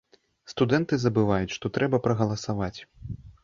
Студэнты забываюць, што трэба прагаласаваць.